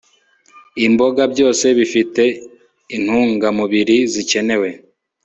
imboga byose bifite intungamubiri zikenewe